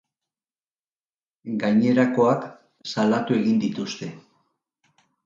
Gainerakoak salatu egin dituzte.